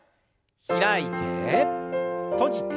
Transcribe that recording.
開いて閉じて。